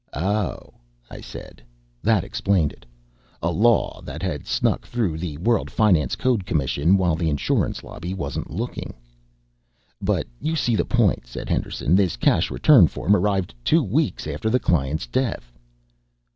"Oh," I said. That explained it. A law that had snuck through the World Finance Code Commission while the insurance lobby wasn't looking. "But you see the point," said Henderson. "This cash return form arrived two weeks after the client's death."